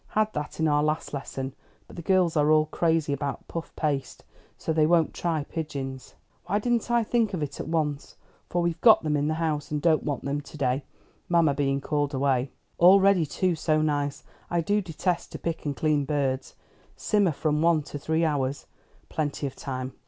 Had that in our last lesson, but the girls are all crazy about puff paste, so they won't try pigeons. Why didn't I think of it at once? for we've got them in the house, and don't want them to day, mamma being called away. All ready too; so nice! I do detest to pick and clean birds. 'Simmer from one to three hours.' Plenty of time.